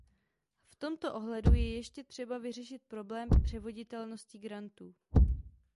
V tomto ohledu je ještě třeba vyřešit problém převoditelnosti grantů.